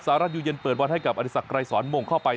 สหรัฐยุเย็นเปิดวันให้กับอธิษฐกรายสวรรค์มงค์เข้าไป